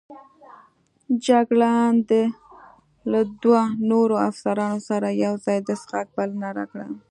جګړن د له دوو نورو افسرانو سره یوځای د څښاک بلنه راکړه.